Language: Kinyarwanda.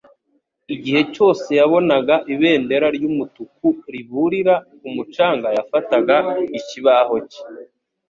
Igihe cyose yabonaga ibendera ry'umutuku riburira ku mucanga yafataga ikibaho cye.